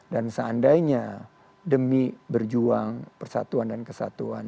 dan seandainya demi berjuang persatuan dan kesatuan